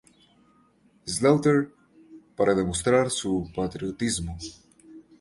Slaughter para demostrar su patriotismo.